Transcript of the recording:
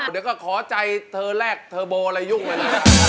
เดี๋ยวก็ขอใจเธอแรกเธอโบอะไรยุ่งเลยนะ